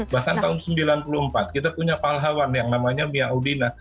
bahkan tahun seribu sembilan ratus sembilan puluh empat kita punya pahlawan yang namanya miaudina